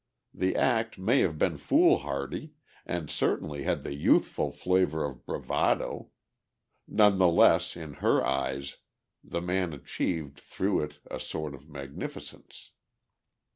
The act may have been foolhardy and certainly had the youthful flavour of bravado; none the less in her eyes the man achieved through it a sort of magnificence.